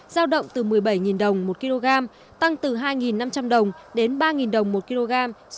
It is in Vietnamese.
giao động từ một mươi bảy đồng một kg tăng từ hai năm trăm linh đồng đến ba đồng một kg